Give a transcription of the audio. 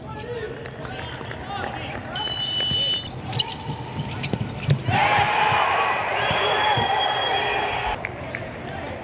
สุดท้ายสุดท้าย